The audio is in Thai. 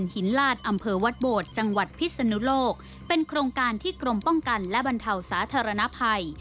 หินลาดอำเภอวัดโบดจังหวัดพิศนุโลกเป็นโครงการที่กรมป้องกันและบรรเทาสาธารณภัย